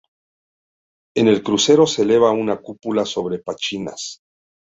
En el crucero se eleva una cúpula sobre pechinas.